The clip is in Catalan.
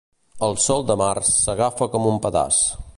El sol de març s'agafa com un pedaç.